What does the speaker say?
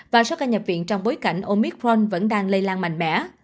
và số ca nhập viện trong bối cảnh omicron vẫn đang lây lan mạnh mẽ